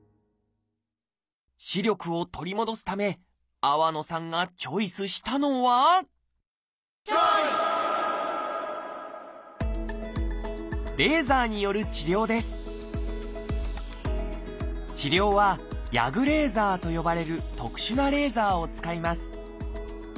視力を取り戻すため粟野さんがチョイスしたのは治療は「ＹＡＧレーザー」と呼ばれる特殊なレーザーを使います。